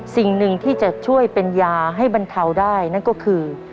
สิ่งหนึ่งที่จะช่วยเป็นยาให้บรรเทาได้นั่นก็คือ